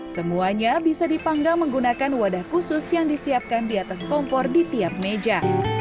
semuanya bisa dipanggang menggunakan wadah khusus yang disiapkan di atas kompor di tiap meja